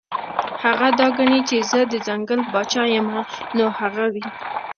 هغه دا ګڼي چې زۀ د ځنګل باچا يمه نو هغه وي -